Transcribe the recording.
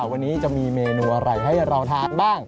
วันนี้จะมีเมนูอะไรให้เราทานบ้าง